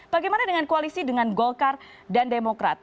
bagaimana dengan koalisi dengan golkar dan demokrat